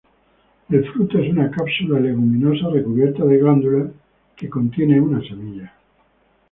El fruto es una cápsula leguminosa recubierta de glándulas que contiene una semilla.